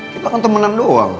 kita kan temenan doang